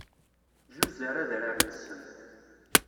Zuzer adrar n ssem.